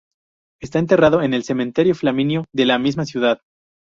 Está enterrado en el Cementerio Flaminio de la misma ciudad.